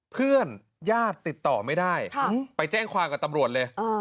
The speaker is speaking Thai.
เพื่อนญาติติดต่อไม่ได้ไปแจ้งความกับตำรวจเลย